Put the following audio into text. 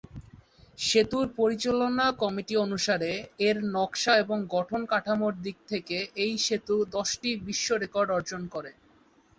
সেতুর পরিচালনা কমিটি অনুসারে, এর নকশা এবং গঠন কাঠামোর দিক থেকে এই সেতু দশটি বিশ্ব রেকর্ড অর্জন করে।